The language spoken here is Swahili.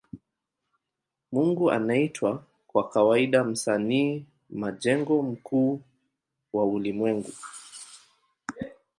Mungu anaitwa kwa kawaida Msanii majengo mkuu wa ulimwengu.